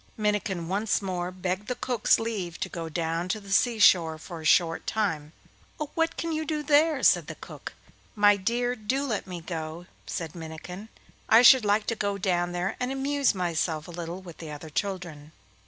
Minnikin once more begged the cook's leave to go down to the sea shore for a short time. 'Oh, what can you do there?' said the cook. 'My dear, do let me go!' said Minnikin; 'I should so like to go down there and amuse myself a little with the other children.